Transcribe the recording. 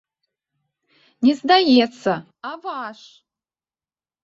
Не здаецца, а ваш!